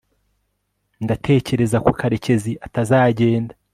ndatekereza ko karekezi atazagenda